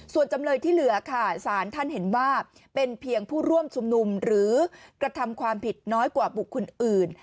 ส่วนจำเลยที่เหลือค่ะสารท่านเห็นว่าเป็นเพียงผู้ร่วมชุมนุมหรือกระทำความผิดน้อยกว่าบุคคลอื่น